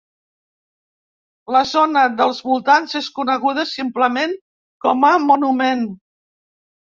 La zona dels voltants és coneguda simplement com a Monument.